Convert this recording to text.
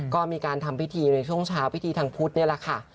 ก็มีการทำพิธีในช่วงเช้าพิธีทางพุทธนี่แหละค่ะ